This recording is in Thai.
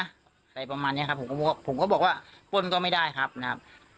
อะไรประมาณเนี้ยครับผมก็บอกว่าป้นก็ไม่ได้ครับนะครับ